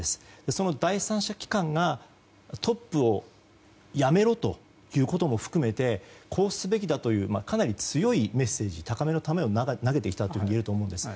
その第三者機関がトップを辞めろということも含めてこうすべきだというかなり強いメッセージ高めの球を投げてきたと思うんです。